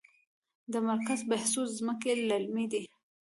د مرکز بهسود ځمکې للمي دي